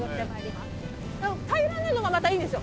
平らなのがまたいいんですよ。